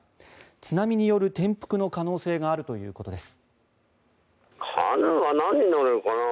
津波による転覆の可能性があるということです。